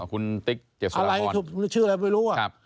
ขติ๊กเจสุลาฮรอะไรชื่ออะไรไม่รู้อ่ะ